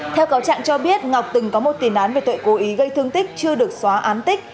theo cáo trạng cho biết ngọc từng có một tiền án về tội cố ý gây thương tích chưa được xóa án tích